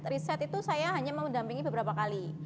riset itu saya hanya mau mendampingi beberapa kali